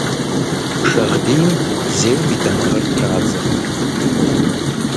Шагъдийм зейм и дамыгъэр традзэрт.